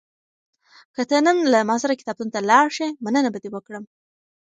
که ته نن له ما سره کتابتون ته لاړ شې، مننه به دې وکړم.